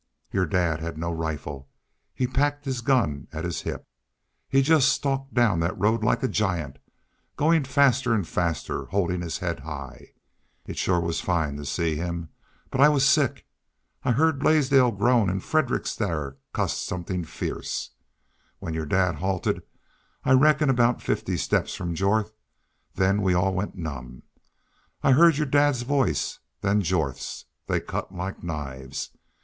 "Your dad had no rifle. He packed his gun at his hip. He jest stalked down thet road like a giant, goin' faster an' faster, holdin' his head high. It shore was fine to see him. But I was sick. I heerd Blaisdell groan, an' Fredericks thar cussed somethin' fierce.... When your dad halted I reckon aboot fifty steps from Jorth then we all went numb. I heerd your dad's voice then Jorth's. They cut like knives.